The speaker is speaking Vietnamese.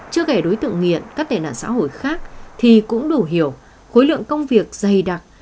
trước kể đối tượng nghiện các tiền án xã hội khác thì cũng đủ hiểu khối lượng công việc dày đặc